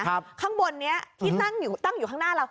ข้างบนนี้ที่ตั้งอยู่ข้างหน้าเรา